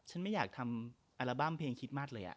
ฉันไม่อยากทำแอลาบัมเพลงคิดมาสเลยอะ